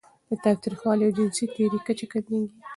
د تاوتریخوالي او جنسي تیري کچه کمېږي.